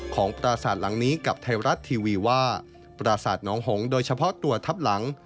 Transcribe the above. ปราศาสตร์หลังนี้กับไทยรัฐทีวีว่าปราสาทน้องหงโดยเฉพาะตัวทับหลัง